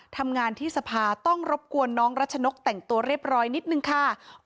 ทำงานที่สภาต้องรบกวนน้องรัชนกแต่งตัวเรียบร้อยนิดนึงค่ะ